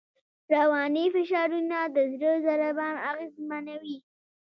رواني فشارونه د زړه ضربان اغېزمنوي.